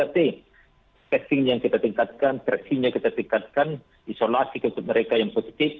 testing yang kita tingkatkan tracing yang kita tingkatkan isolasi untuk mereka yang positif